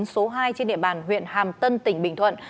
số hai trên địa bàn huyện hàm tân tỉnh bình thuận